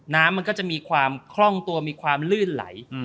น้ำมันก็จะมีความคล่องตัวมีความลื่นไหล